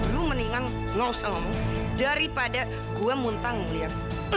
lu mendingan ngusungmu daripada gua muntah ngeliat